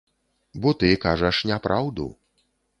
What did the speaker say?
Бо ты кажаш няпраўду.